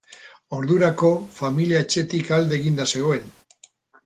Ordurako familia etxetik alde eginda zegoen.